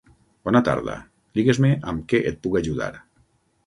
Bona tarda, digues-me amb què et puc ajudar.